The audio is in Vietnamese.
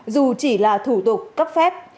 dù chỉ là thủ tục cấp phép